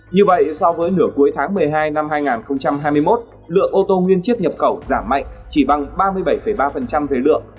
như vậy so với nửa cuối tháng một mươi hai năm hai nghìn hai mươi một lượng ô tô nguyên chiếc nhập khẩu giảm mạnh chỉ bằng ba mươi bảy ba về lượng